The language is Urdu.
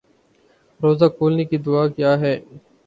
روزہ کھولنے کی دعا کیا ہے